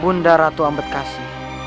bunda ratu ambedkasi